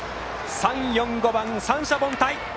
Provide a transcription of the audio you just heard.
３、４、５番、三者凡退。